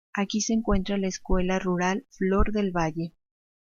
Aquí se encuentra la Escuela Rural Flor del Valle.